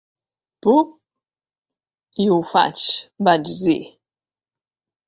"Puc i ho faig", vaig dir.